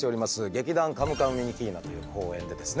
劇団カムカムミニキーナという公演でですね